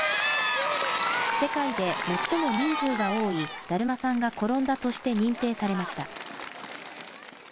世界で最も人数が多いだるまさんが転んだとして認定されました。